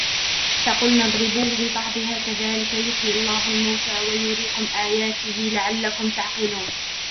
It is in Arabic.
فقلنا اضربوه ببعضها كذلك يحيي الله الموتى ويريكم آياته لعلكم تعقلون